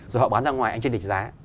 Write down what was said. rồi họ bán ra ngoài anh trên địch giá